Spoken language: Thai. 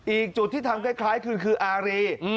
อีกจุดที่ทำคล้ายคืออารี